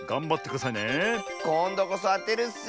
こんどこそあてるッス！